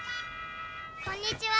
「こんにちは」